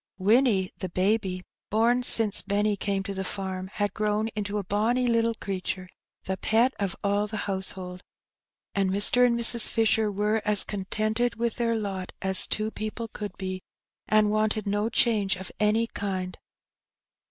Winnie, the baby — born since Benny came to the farm — had grown into a bonny little creature, the pet of all the household; and Mr. and Mrs. Fisher were as contented with their lot as two people could be, and wanted no change of any kind.